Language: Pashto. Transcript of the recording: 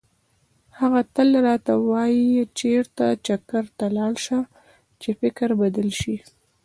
هغه تل راته وایي چېرته چکر ته لاړ شه چې فکر بدل شي.